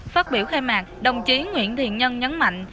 phát biểu khai mạc đồng chí nguyễn thiện nhân nhấn mạnh